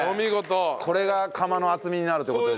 これが釜の厚みになるって事でしょ？